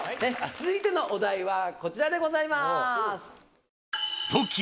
続いてのお題はこちらでございます。